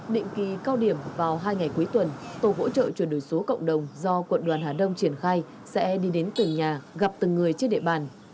định kỳ cao điểm vào hai ngày cuối tuần tổ hỗ trợ chuyển đổi số cộng đồng do quận đoàn hà đông triển khai sẽ đi đến từng nhà gặp từng người trên địa bàn